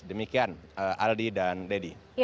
demikian aldi dan ledi